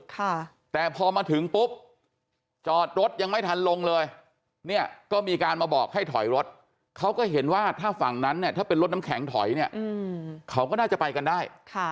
ค่ะแต่พอมาถึงปุ๊บจอดรถยังไม่ทันลงเลยเนี่ยก็มีการมาบอกให้ถอยรถเขาก็เห็นว่าถ้าฝั่งนั้นเนี่ยถ้าเป็นรถน้ำแข็งถอยเนี่ยเขาก็น่าจะไปกันได้ค่ะ